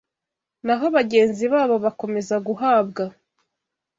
naho bagenzi babo bakomeza guhabwa